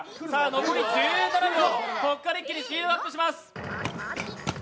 残り１７秒、ここから一気にスピードアップします。